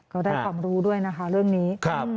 ได้ความรู้ด้วยนะคะเรื่องนี้